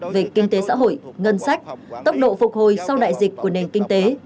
về kinh tế xã hội ngân sách tốc độ phục hồi sau đại dịch của nền kinh tế